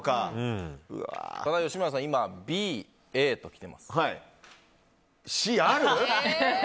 吉村さん、今Ｂ、Ａと来てます。